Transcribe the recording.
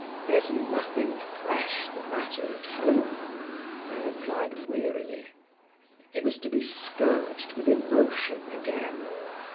"There is nothing fresh the matter at home," he replied wearily. He was to be scourged with emotion again.